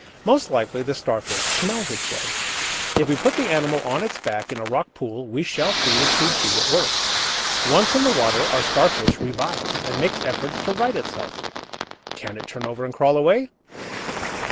Most likely the Starfish smells its way. If we put the animal on its back in a rock pool we shall see the tube feet at work. Once in the water our Starfish revives, and makes efforts to right itself. Can it turn over and crawl away?